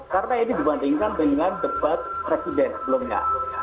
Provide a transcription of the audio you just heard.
karena ini dibandingkan dengan debat presiden sebelumnya